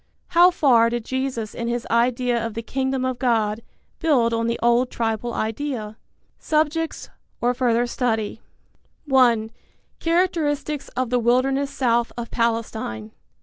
How far did Jesus in his idea of the Kingdom of God build on the old tribal idea? Subjects/or Further Study. (1) Characteristics of the Wilderness South of Palestine.